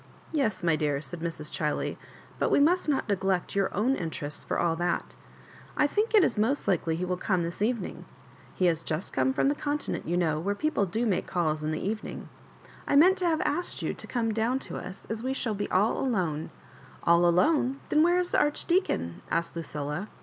"Yes, n^ dear," said Mrs. Chiley, ^'but we must not neglect your own interests for all that I think it is most likely he will come this even ing. He has just come from the Continent, you know, where people do make caUs in the even ing. I meant to have asked you to come down to us, as we shall be all alone—" "All alone j Then where is the Archdea con f " asked Ludlla.